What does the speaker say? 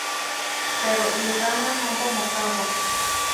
Pero nirana ompa mocaua.